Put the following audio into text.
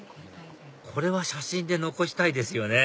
これは写真で残したいですよね